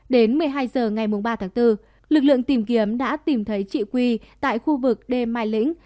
đến một mươi hai h ngày ba tháng bốn lực lượng tìm kiếm đã tìm thấy chị quy tại khu vực đê mai lĩnh